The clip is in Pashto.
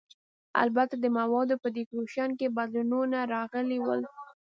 البته د موادو په ډیکورېشن کې بدلونونه راغلي ول.